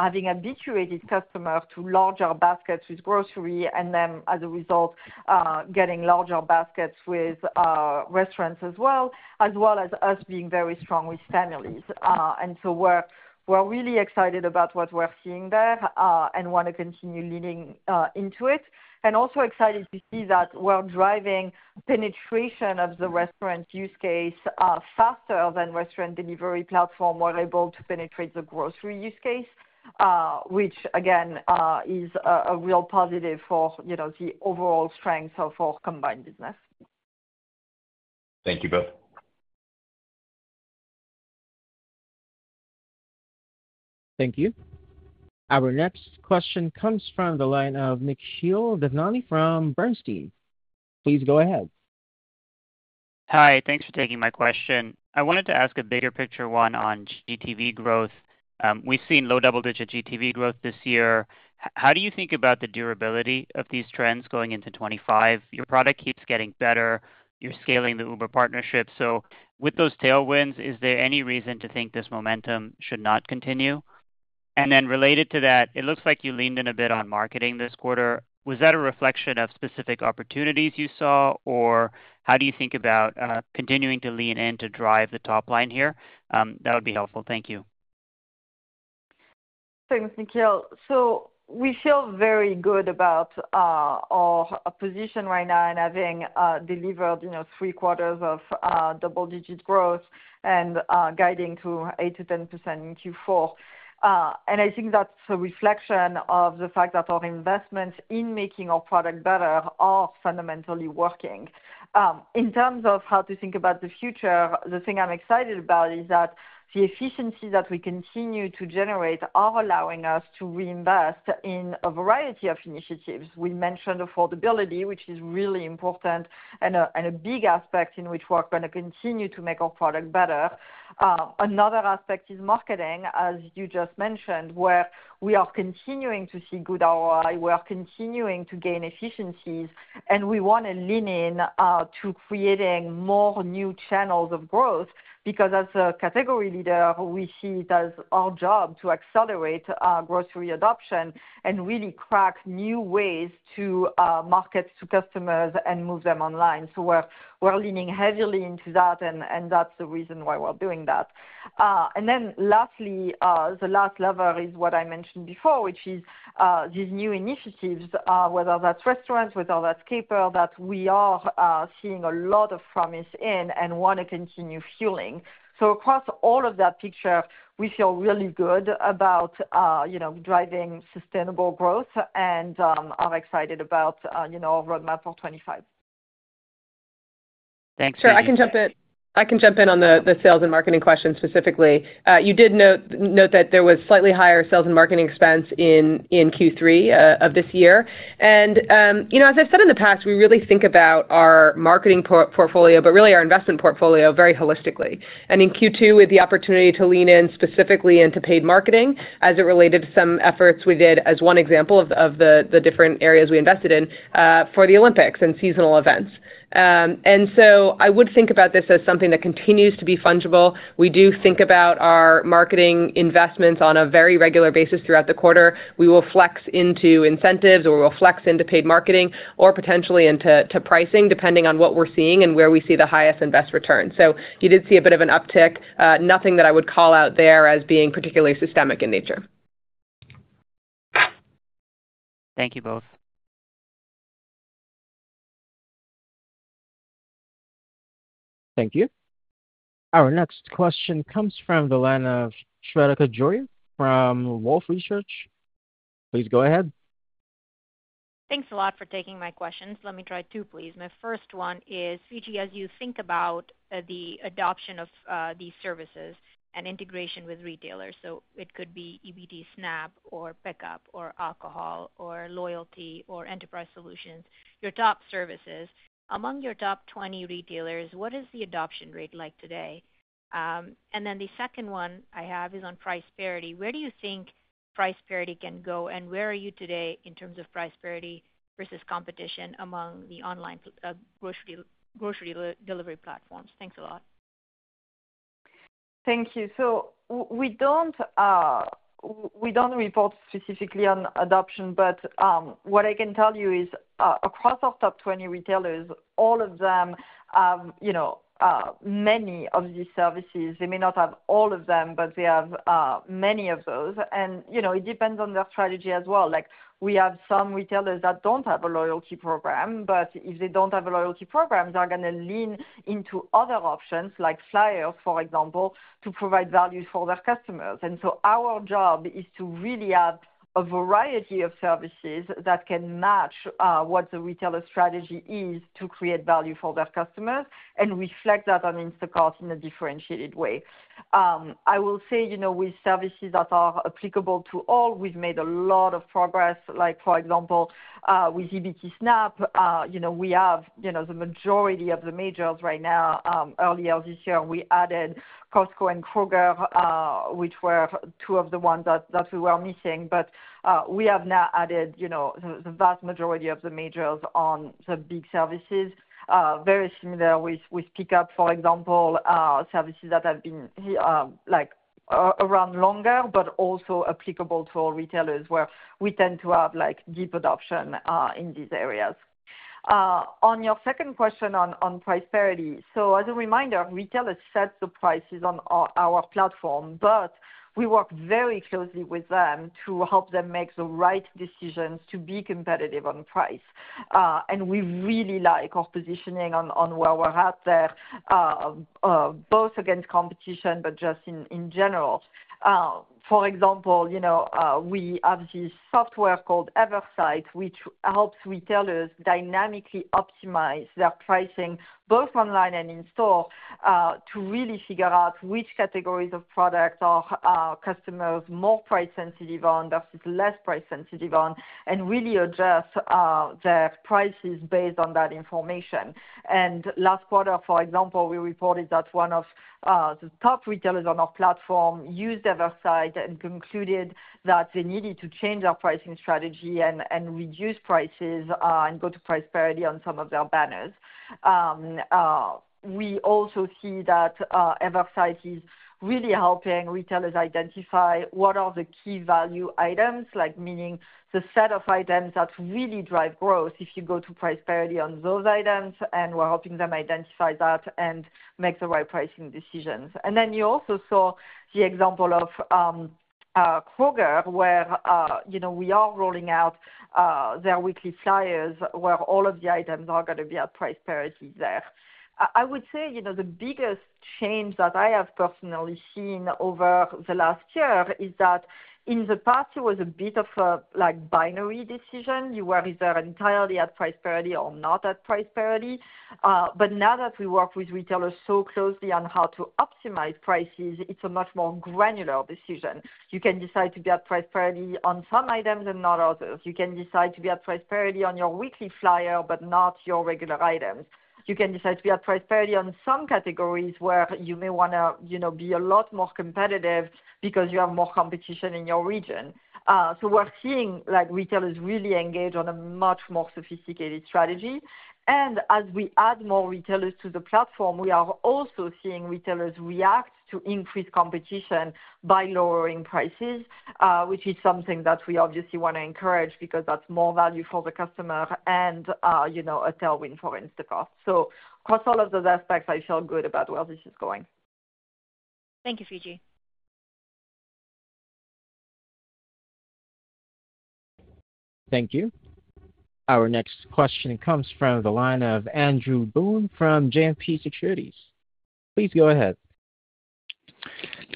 having habituated customers to larger baskets with grocery and then, as a result, getting larger baskets with restaurants as well, as well as us being very strong with families. We're really excited about what we're seeing there and want to continue leaning into it. We're also excited to see that we're driving penetration of the restaurant use case faster than restaurant delivery platforms were able to penetrate the grocery use case, which, again, is a real positive for the overall strength of our combined business. Thank you both. Thank you. Our next question comes from the line of Nikhil Devnani from Bernstein. Please go ahead. Hi. Thanks for taking my question. I wanted to ask a bigger picture one on GTV growth. We've seen low double-digit GTV growth this year. How do you think about the durability of these trends going into 2025? Your product keeps getting better. You're scaling the Uber partnership. So with those tailwinds, is there any reason to think this momentum should not continue? And then related to that, it looks like you leaned in a bit on marketing this quarter. Was that a reflection of specific opportunities you saw, or how do you think about continuing to lean in to drive the top line here? That would be helpful. Thank you. Thanks, Nikhil. So we feel very good about our position right now in having delivered three quarters of double-digit growth and guiding to 8%-10% in Q4. And I think that's a reflection of the fact that our investments in making our product better are fundamentally working. In terms of how to think about the future, the thing I'm excited about is that the efficiencies that we continue to generate are allowing us to reinvest in a variety of initiatives. We mentioned affordability, which is really important and a big aspect in which we're going to continue to make our product better. Another aspect is marketing, as you just mentioned, where we are continuing to see good ROI. We are continuing to gain efficiencies. And we want to lean in to creating more new channels of growth because, as a category leader, we see it as our job to accelerate grocery adoption and really crack new ways to market to customers and move them online. So we're leaning heavily into that, and that's the reason why we're doing that. And then lastly, the last lever is what I mentioned before, which is these new initiatives, whether that's restaurants, whether that's Caper, that we are seeing a lot of promise in and want to continue fueling. So across all of that picture, we feel really good about driving sustainable growth and are excited about our roadmap for 2025. Thanks. Sure. I can jump in on the sales and marketing question specifically. You did note that there was slightly higher sales and marketing expense in Q3 of this year, and as I've said in the past, we really think about our marketing portfolio, but really our investment portfolio very holistically, and in Q2, we had the opportunity to lean in specifically into paid marketing as it related to some efforts we did as one example of the different areas we invested in for the Olympics and seasonal events, and so I would think about this as something that continues to be fungible. We do think about our marketing investments on a very regular basis throughout the quarter. We will flex into incentives or we'll flex into paid marketing or potentially into pricing, depending on what we're seeing and where we see the highest and best return. So you did see a bit of an uptick. Nothing that I would call out there as being particularly systemic in nature. Thank you both. Thank you. Our next question comes from the line of Shweta Khajuria from Wolfe Research. Please go ahead. Thanks a lot for taking my questions. Let me try two, please. My first one is, Fidji, as you think about the adoption of these services and integration with retailers, so it could be EBT SNAP or pickup or alcohol or loyalty or enterprise solutions, your top services, among your top 20 retailers, what is the adoption rate like today? And then the second one I have is on price parity. Where do you think price parity can go and where are you today in terms of price parity versus competition among the online grocery delivery platforms? Thanks a lot. Thank you. So we don't report specifically on adoption, but what I can tell you is across our top 20 retailers, all of them have many of these services. They may not have all of them, but they have many of those. And it depends on their strategy as well. We have some retailers that don't have a loyalty program, but if they don't have a loyalty program, they're going to lean into other options like flyers, for example, to provide value for their customers. And so our job is to really have a variety of services that can match what the retailer strategy is to create value for their customers and reflect that on Instacart in a differentiated way. I will say with services that are applicable to all, we've made a lot of progress. For example, with EBT SNAP, we have the majority of the majors right now. Earlier this year, we added Costco and Kroger, which were two of the ones that we were missing. But we have now added the vast majority of the majors on the big services. Very similar with pickup, for example, services that have been around longer, but also applicable to all retailers where we tend to have deep adoption in these areas. On your second question on price parity, so as a reminder, retailers set the prices on our platform, but we work very closely with them to help them make the right decisions to be competitive on price. And we really like our positioning on where we're at there, both against competition, but just in general. For example, we have this software called Eversight, which helps retailers dynamically optimize their pricing both online and in store to really figure out which categories of products are customers more price-sensitive on versus less price-sensitive on and really adjust their prices based on that information, and last quarter, for example, we reported that one of the top retailers on our platform used Eversight and concluded that they needed to change their pricing strategy and reduce prices and go to price parity on some of their banners. We also see that Eversight is really helping retailers identify what are the key value items, meaning the set of items that really drive growth if you go to price parity on those items, and we're helping them identify that and make the right pricing decisions. And then you also saw the example of Kroger where we are rolling out their weekly flyers where all of the items are going to be at price parity there. I would say the biggest change that I have personally seen over the last year is that in the past, it was a bit of a binary decision. You were either entirely at price parity or not at price parity. But now that we work with retailers so closely on how to optimize prices, it's a much more granular decision. You can decide to be at price parity on some items and not others. You can decide to be at price parity on your weekly flyer, but not your regular items. You can decide to be at price parity on some categories where you may want to be a lot more competitive because you have more competition in your region. So we're seeing retailers really engage on a much more sophisticated strategy. And as we add more retailers to the platform, we are also seeing retailers react to increased competition by lowering prices, which is something that we obviously want to encourage because that's more value for the customer and a tailwind for Instacart. So across all of those aspects, I feel good about where this is going. Thank you, Fidji. Thank you. Our next question comes from the line of Andrew Boone from JMP Securities. Please go ahead.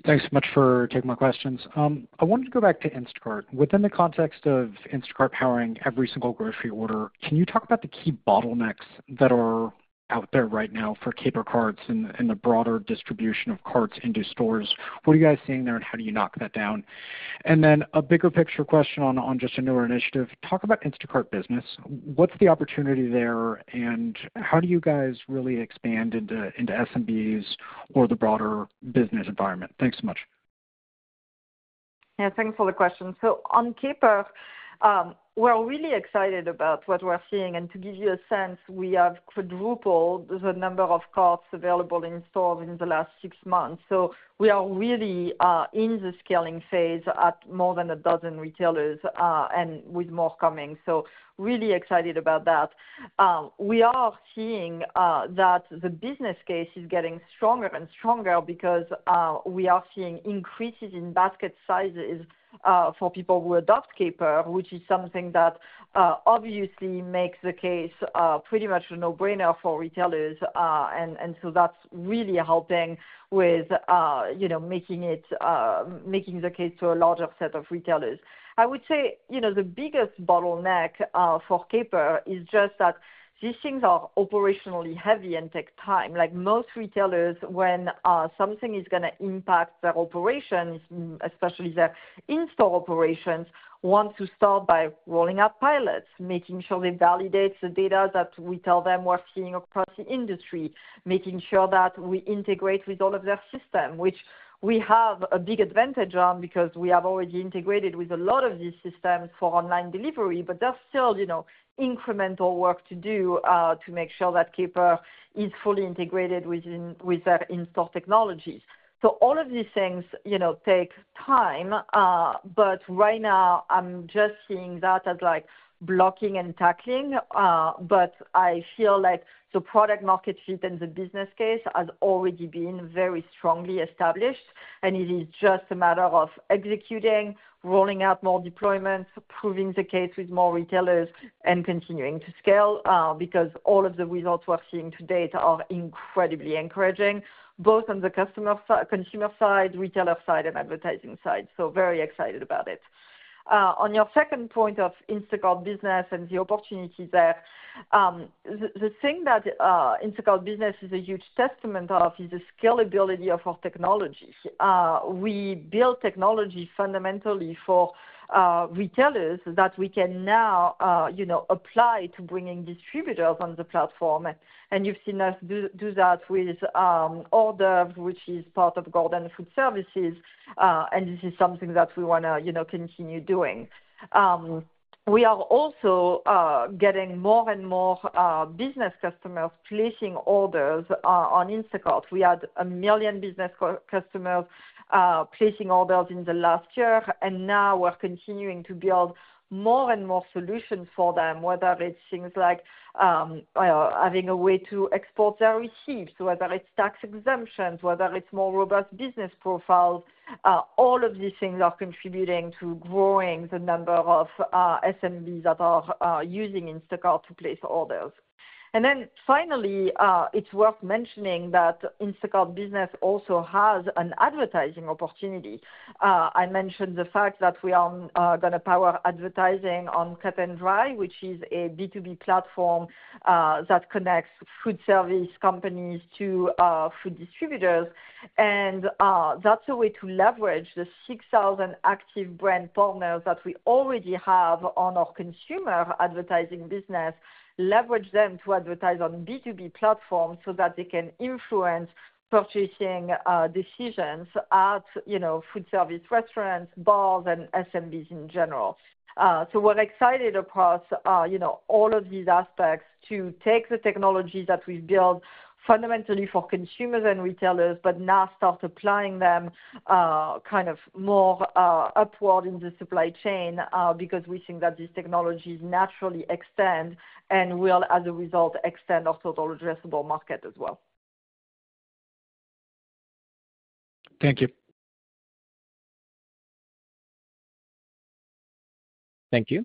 Thanks so much for taking my questions. I wanted to go back to Instacart. Within the context of Instacart powering every single grocery order, can you talk about the key bottlenecks that are out there right now for Caper Carts and the broader distribution of carts into stores? What are you guys seeing there and how do you knock that down? And then a bigger picture question on just a newer initiative. Talk about Instacart Business. What's the opportunity there and how do you guys really expand into SMBs or the broader business environment? Thanks so much. Yeah, thanks for the question. So on Caper, we're really excited about what we're seeing. And to give you a sense, we have quadrupled the number of carts available in stores in the last six months. So we are really in the scaling phase at more than a dozen retailers and with more coming. So really excited about that. We are seeing that the business case is getting stronger and stronger because we are seeing increases in basket sizes for people who adopt Caper, which is something that obviously makes the case pretty much a no-brainer for retailers. And so that's really helping with making the case to a larger set of retailers. I would say the biggest bottleneck for Caper is just that these things are operationally heavy and take time. Most retailers, when something is going to impact their operations, especially their in-store operations, want to start by rolling out pilots, making sure they validate the data that we tell them we're seeing across the industry, making sure that we integrate with all of their systems, which we have a big advantage on because we have already integrated with a lot of these systems for online delivery, but there's still incremental work to do to make sure that Caper is fully integrated with their in-store technologies. So all of these things take time, but right now, I'm just seeing that as blocking and tackling. But I feel like the product-market fit and the business case has already been very strongly established, and it is just a matter of executing, rolling out more deployments, proving the case with more retailers, and continuing to scale because all of the results we're seeing to date are incredibly encouraging, both on the consumer side, retailer side, and advertising side. So very excited about it. On your second point of Instacart Business and the opportunities there, the thing that Instacart Business is a huge testament of is the scalability of our technology. We built technology fundamentally for retailers that we can now apply to bringing distributors on the platform. And you've seen us do that with Order, which is part of Gordon Food Service, and this is something that we want to continue doing. We are also getting more and more business customers placing orders on Instacart. We had a million business customers placing orders in the last year, and now we're continuing to build more and more solutions for them, whether it's things like having a way to export their receipts, whether it's tax exemptions, whether it's more robust business profiles. All of these things are contributing to growing the number of SMBs that are using Instacart to place orders. And then finally, it's worth mentioning that Instacart Business also has an advertising opportunity. I mentioned the fact that we are going to power advertising on Cut+Dry, which is a B2B platform that connects food service companies to food distributors. And that's a way to leverage the 6,000 active brand partners that we already have on our consumer advertising business, leverage them to advertise on B2B platforms so that they can influence purchasing decisions at food service restaurants, bars, and SMBs in general. So we're excited across all of these aspects to take the technologies that we've built fundamentally for consumers and retailers, but now start applying them kind of more upward in the supply chain because we think that these technologies naturally extend and will, as a result, extend our total addressable market as well. Thank you. Thank you.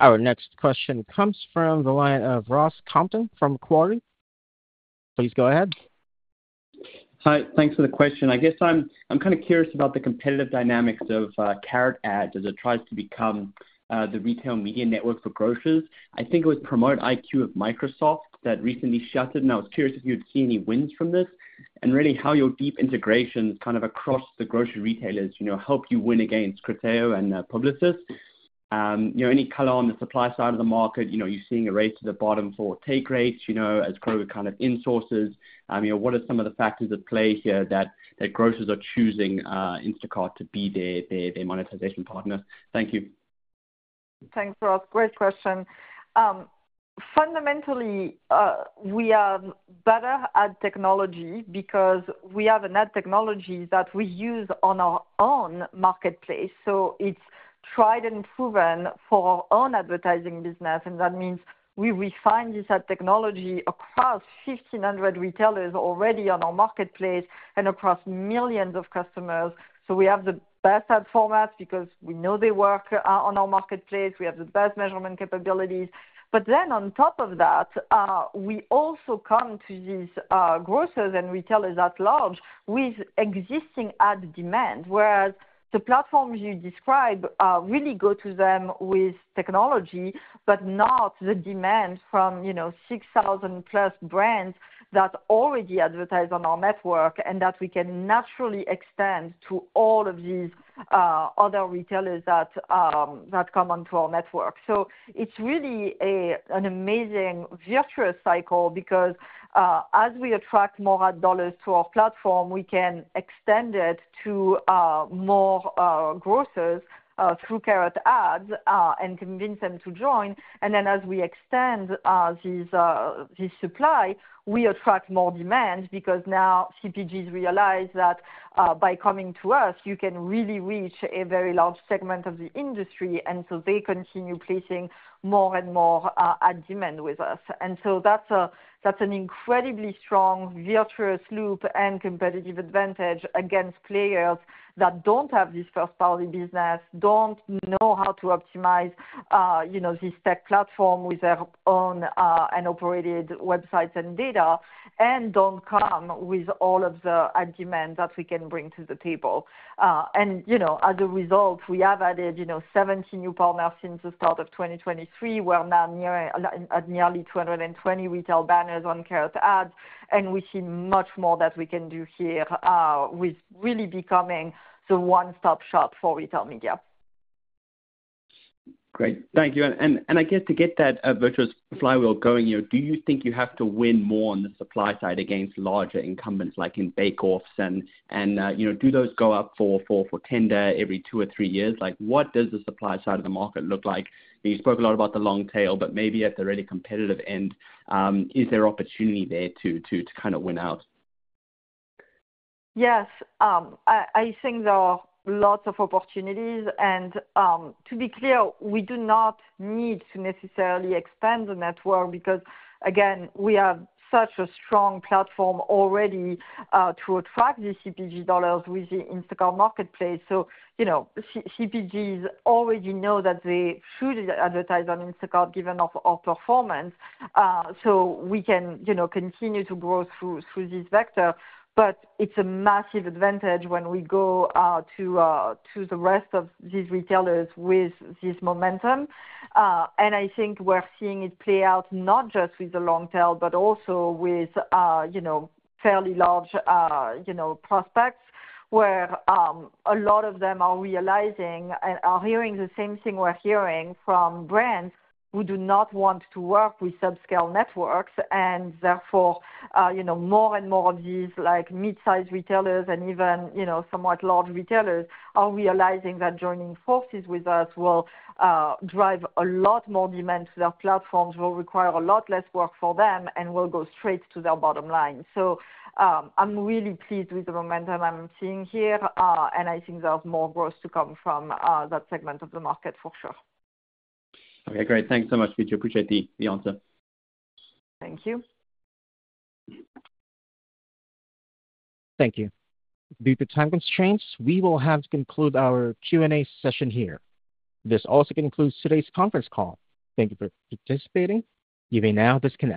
Our next question comes from the line of Ross Compton from Macquarie. Please go ahead. Hi, thanks for the question. I guess I'm kind of curious about the competitive dynamics of Carrot Ads as it tries to become the retail media network for grocers. I think it was PromoteIQ of Microsoft that recently shut it, and I was curious if you'd seen any wins from this. Really, how your deep integrations kind of across the grocery retailers help you win against Criteo and Publicis. Any color on the supply side of the market? You're seeing a race to the bottom for take rates as Kroger kind of insources. What are some of the factors at play here that grocers are choosing Instacart to be their monetization partner? Thank you. Thanks, Ross. Great question. Fundamentally, we are better at technology because we have an ad technology that we use on our own marketplace. So it's tried and proven for our own advertising business, and that means we refine this ad technology across 1,500 retailers already on our marketplace and across millions of customers. So we have the best ad formats because we know they work on our marketplace. We have the best measurement capabilities. But then on top of that, we also come to these grocers and retailers at large with existing ad demand, whereas the platforms you describe really go to them with technology, but not the demand from 6,000-plus brands that already advertise on our network and that we can naturally extend to all of these other retailers that come onto our network. It's really an amazing virtuous cycle because as we attract more ad dollars to our platform, we can extend it to more grocers through Carrot Ads and convince them to join. And then as we extend this supply, we attract more demand because now CPGs realize that by coming to us, you can really reach a very large segment of the industry, and so they continue placing more and more ad demand with us. And so that's an incredibly strong virtuous loop and competitive advantage against players that don't have this first-party business, don't know how to optimize this tech platform with their owned and operated websites and data, and don't come with all of the ad demand that we can bring to the table. And as a result, we have added 70 new partners since the start of 2023. We're now at nearly 220 retail banners on Carrot Ads, and we see much more that we can do here with really becoming the one-stop shop for retail media. Great. Thank you. And I guess to get that virtuous flywheel going, do you think you have to win more on the supply side against larger incumbents like in bake-offs? And do those go up for tender every two or three years? What does the supply side of the market look like? You spoke a lot about the long tail, but maybe at the really competitive end, is there opportunity there to kind of win out? Yes. I think there are lots of opportunities, and to be clear, we do not need to necessarily expand the network because, again, we have such a strong platform already to attract these CPG dollars with the Instacart Marketplace. CPGs already know that they should advertise on Instacart given our performance, so we can continue to grow through this vector, but it's a massive advantage when we go to the rest of these retailers with this momentum. I think we're seeing it play out not just with the long tail, but also with fairly large prospects where a lot of them are realizing and are hearing the same thing we're hearing from brands who do not want to work with subscale networks. And therefore, more and more of these mid-size retailers and even somewhat large retailers are realizing that joining forces with us will drive a lot more demand to their platforms, will require a lot less work for them, and will go straight to their bottom line. So I'm really pleased with the momentum I'm seeing here, and I think there's more growth to come from that segment of the market for sure. Okay, great. Thanks so much, Fidji. Appreciate the answer. Thank you. Thank you. Due to time constraints, we will have to conclude our Q&A session here. This also concludes today's conference call. Thank you for participating. You may now disconnect.